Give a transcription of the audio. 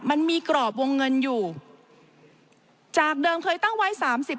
มันมีกรอบวงเงินอยู่จากเดิมเคยตั้งไว้สามสิบ